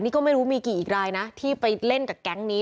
นี่ก็ไม่รู้มีกี่รายนะที่ไปเล่นกับแก๊งนี้